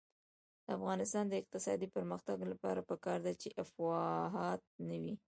د افغانستان د اقتصادي پرمختګ لپاره پکار ده چې افواهات نه وي.